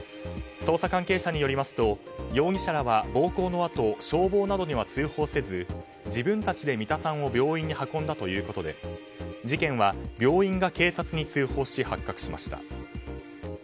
捜査関係者によりますと容疑者らは暴行のあと消防などには通報せず自分たちで三田さんを病院に運んだということで事件は病院が警察に通報し発覚しました。